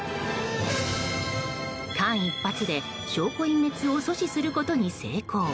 間一髪で証拠隠滅を阻止することに成功。